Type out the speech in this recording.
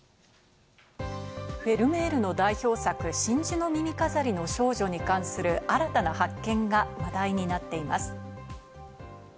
フェルメールの代表作『真珠の耳飾りの少女』に関する新たな発見が話題になっています。